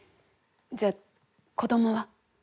じゃあ、子どもは？